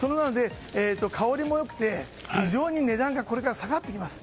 香りも良くて値段がこれから下がってきます。